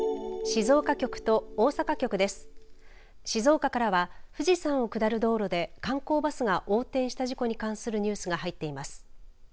静岡からは富士山を下る道路で観光バスが横転した事故に関するニュースが入っています。